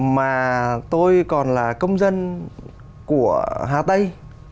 mà tôi còn là công dân của hà tây